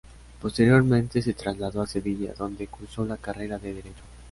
Posteriormente se trasladó a Sevilla, donde cursó la carrera de derecho.